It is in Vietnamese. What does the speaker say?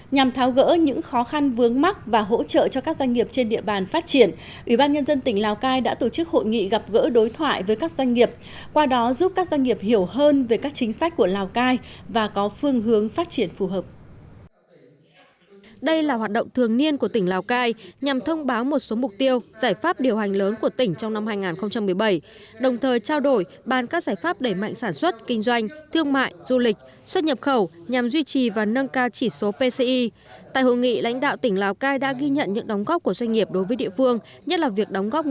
nhằm tháo gỡ những khó khăn vướng mắt và hỗ trợ cho các doanh nghiệp trên địa bàn phát triển ủy ban nhân dân tỉnh lào cai đã tổ chức hội nghị gặp gỡ đối thoại với các doanh nghiệp qua đó giúp các doanh nghiệp hiểu hơn về các chính sách của lào cai và có phương hướng phát triển phù hợp